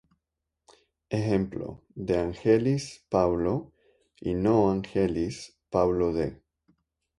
Ejemplo: De Angelis, Paulo; y no Angelis, Paulo de.